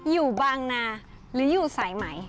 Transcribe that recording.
อยู่บางนาหรืออยู่สายไหม